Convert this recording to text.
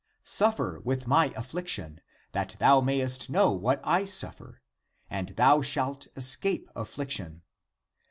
Suffer with my affliction, that thou mayest know what I suffer, and thou shalt escape affliction.